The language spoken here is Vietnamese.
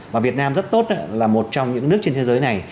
và việt nam rất tốt là một trong những nước trên thế giới này